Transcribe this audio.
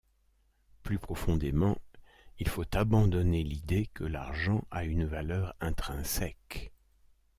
Plus profondément, il faut abandonner l’idée que l’argent a une valeur intrinsèque.